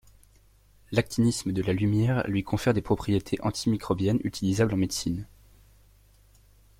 L'actinisme de la lumière lui confère des propriétés antimicrobiennes utilisables en médecine.